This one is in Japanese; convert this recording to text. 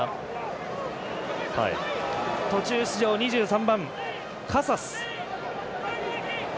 途中出場２３番、カサス。